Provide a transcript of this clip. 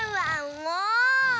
もう！